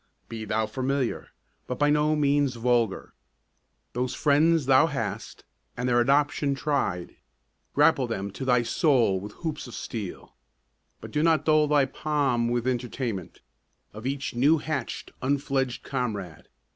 Be thou familiar, but by no means vulgar. Those friends thou hast, and their adoption tried, Grapple them to thy soul with hoops of steel; But do not dull thy palm with entertainment Of each new hatch'd, unfledged comrade.